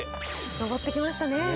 上ってきましたね。